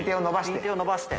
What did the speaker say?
右手をのばして。